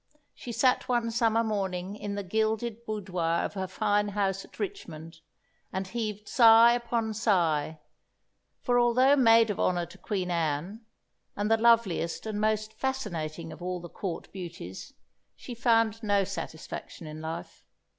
She sat one summer morning in the gilded boudoir of her fine house at Richmond and heaved sigh upon sigh, for although Maid of Honour to Queen Anne, and the loveliest and most fascinating of all the Court beauties, she found no satisfaction in life.